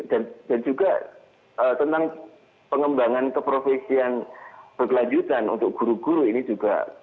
juga tentang pengembangan keprofesian berkelanjutan untuk guru guru ini juga